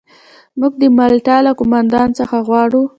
موږ د مالټا له قوماندان څخه غواړو.